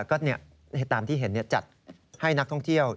ก็ตามที่เห็นจัดให้นักท่องเที่ยว